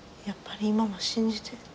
やっぱり今も信じて。